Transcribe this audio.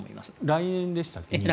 来年でしたっけ。